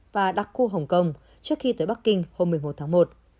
và đặc khu hồng kông trước khi tới bắc kinh hôm một mươi một